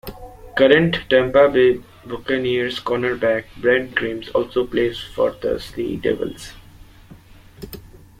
Current Tampa Bay Buccaneers cornerback Brent Grimes also played for the Sea Devils.